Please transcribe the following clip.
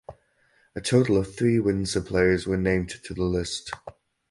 A total of three Windsor players were named to the list.